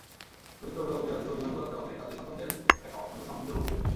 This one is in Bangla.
দরিদ্র অভিভাবকদের যথেষ্ট পরিমাণ বোঝাতে হবে, তাদের সন্তানদের একটা অত্যন্ত সমৃদ্ধ ভবিষ্যৎ রয়েছে।